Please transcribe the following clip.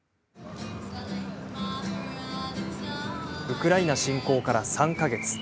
ウクライナ侵攻から３か月。